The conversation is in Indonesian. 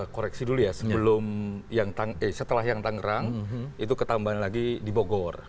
koreksi dulu ya setelah yang tangerang itu ketambahan lagi di bogor